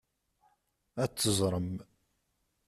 Ad teẓrem.